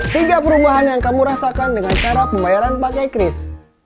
tiga perubahan yang kamu rasakan dengan cara pembayaran bangkai cris